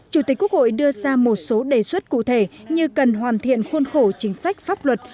chủ tịch quốc hội đưa ra một số đề xuất cụ thể như cần hoàn thiện khuôn khổ chính sách pháp luật